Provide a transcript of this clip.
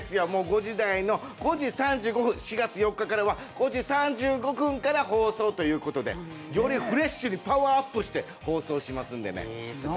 もう５時台の４月４日からは５時３５分放送ということでよりフレッシュにパワーアップして放送しますんでね。